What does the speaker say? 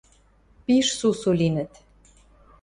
Пиш сусу линӹт.